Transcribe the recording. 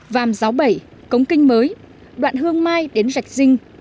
phàm giáo bảy cống kinh mới đoạn hương mai đến rạch rinh